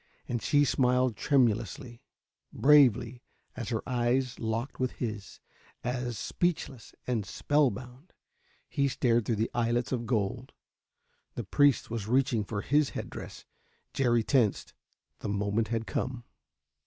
And she smiled tremulously, bravely, as her eyes locked with his, as, speechless and spellbound, he stared through the eyelets of gold. The priest was reaching for his head dress, Jerry tensed. The moment had come.